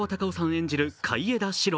演じる海江田四郎。